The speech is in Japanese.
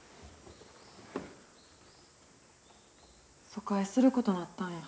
疎開することなったんや。